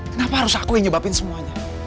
kenapa harus aku yang nyebabin semuanya